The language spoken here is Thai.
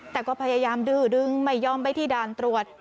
แต่ก็พยายามดื้อดึงไม่ยอมไปที่ด่านตรวจ